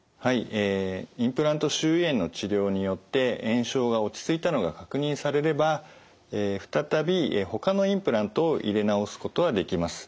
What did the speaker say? えインプラント周囲炎の治療によって炎症が落ち着いたのが確認されれば再びほかのインプラントを入れ直すことはできます。